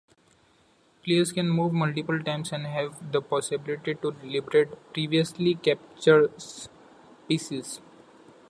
Players can move multiple times and have the possibility to liberate previously captures pieces.